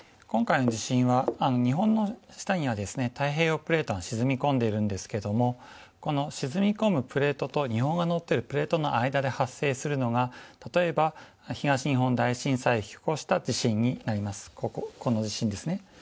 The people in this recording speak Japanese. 今回の地震は、日本の下には太平洋プレートが沈み込んでいるんですけれどもこの沈み込むプレートと日本が乗っているプレートの間で発生するのが、例えば東日本大震災を引き起こした地震になります。